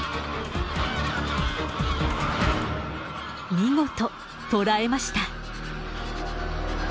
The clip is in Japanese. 見事捕らえました。